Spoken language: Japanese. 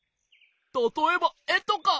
たとえばえとか！